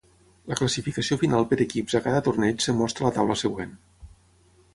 La classificació final per equips a cada torneig es mostra a la taula següent.